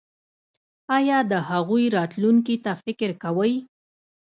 ایا د هغوی راتلونکي ته فکر کوئ؟